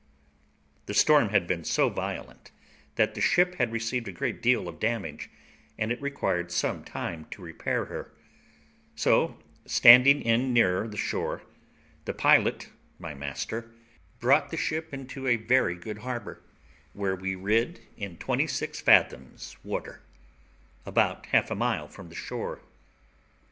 The storm had been so violent that the ship had received a great deal of damage, and it required some time to repair her; so, standing in nearer the shore, the pilot, my master, brought the ship into a very good harbour, where we rid in twenty six fathoms water, about half a mile from the shore.